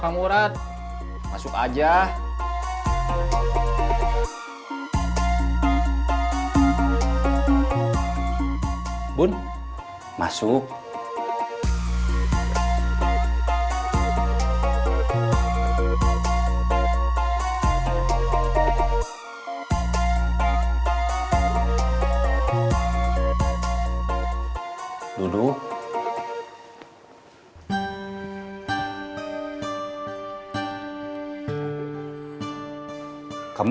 yaudah saya antar